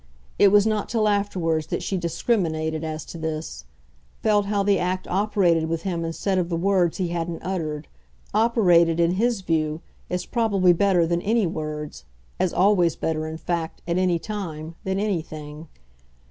It was not till afterwards that she discriminated as to this; felt how the act operated with him instead of the words he hadn't uttered operated, in his view, as probably better than any words, as always better, in fact, at any time, than anything.